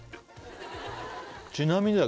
ちなみにだ